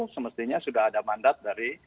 semestinya sudah ada mandat dari